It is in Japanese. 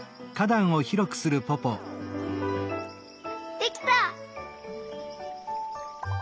できた！